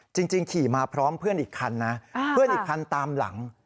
จริงขี่มาพร้อมเพื่อนอีกคันนะเพื่อนอีกคันตามหลัง